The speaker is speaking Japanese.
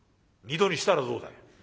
「二度にしたらどうだよ？」。